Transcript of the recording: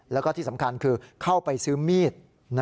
แล้วก็ที่สำคัญคือเข้าไปซื้อมีด